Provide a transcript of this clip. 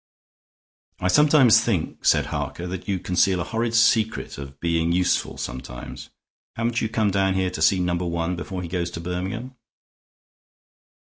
"I sometimes think," said Harker, "that you conceal a horrid secret of being useful sometimes. Haven't you come down here to see Number One before he goes on to Birmingham?"